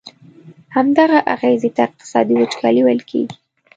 همدغه اغیزي ته اقتصادي وچکالي ویل کیږي.